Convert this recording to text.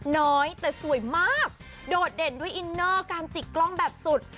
น้อยแต่สวยมากโดดเด่นด้วยอินเนอร์การจิกกล้องแบบสุด